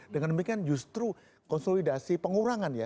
dengan demikian justru konsolidasi pengurangan ya